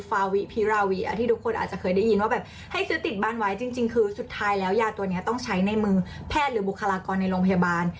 ฟาวิพิราวิที่ทุกคนอาจจะเคยได้ยินว่าแบบให้ซื้อติดบ้านไว้จริงคือสุดท้ายแล้วยาตัวนี้ต้องใช้ในมือแพทย์หรือบุคลากรในโรงพยาบาล